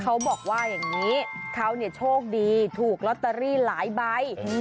เขาบอกว่าอย่างนี้เขาเนี่ยโชคดีถูกลอตเตอรี่หลายใบ